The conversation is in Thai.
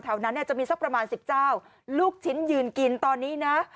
แถวนั้นเนี่ยจะมีสักประมาณ๑๐เจ้าลูกชิ้นยืนกินตอนนี้นะ